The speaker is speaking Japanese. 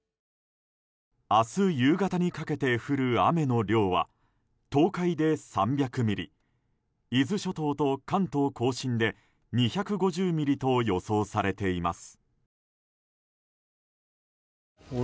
明日夕方にかけて降る雨の量は東海で３００ミリ伊豆諸島と関東・甲信で２５０ミリと予想されています。